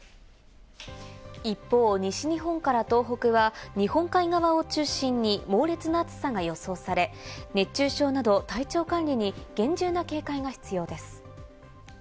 一方、西日本から東北は日本海側を中心に猛烈な暑さが予想され、熱中症など体調管理に厳重な警戒が必要です。